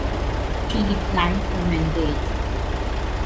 She declined her mandate.